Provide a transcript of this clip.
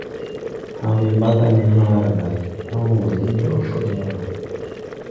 Ha̧ we mbaga ne haara lay, à wɔɔ wɔ liŋ dɔɔ kɔɗ yaw la?